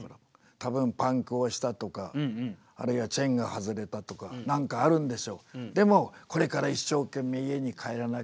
多分パンクをしたとかあるいはチェーンが外れたとか何かあるんでしょう。